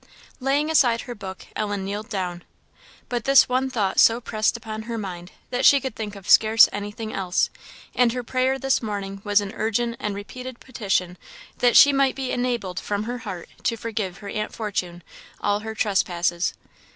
Laying aside her book, Ellen kneeled down; but this one thought so pressed upon her mind, that she could think of scarce anything else; and her prayer this morning was an urgent and repeated petition that she might be enabled "from her heart" to forgive her Aunt Fortune "all her trespasses."